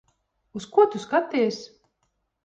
Uz ko tu skaties?